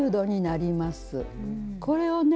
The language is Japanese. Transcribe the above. これをね